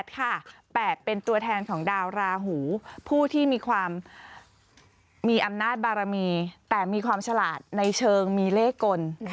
๘เป็นตัวแทนของดาวราหูผู้ที่มีความมีอำนาจบารมีแต่มีความฉลาดในเชิงมีเลขกล